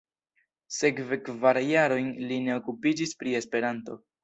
Sekve kvar jarojn li ne okupiĝis pri Esperanto.